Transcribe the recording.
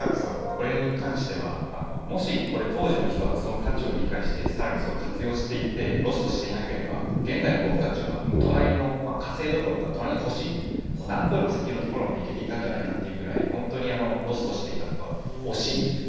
これに関してはもしこれ当時の人がその価値を理解して更にそれを活用していてロストしていなければ現代の僕たちは隣の火星どころか隣の星何光年も先のところまで行けていたんじゃないかっていうぐらい本当にロストしていたことが惜しいテクノロジーですね。